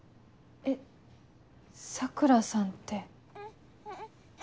えっ桜さんって。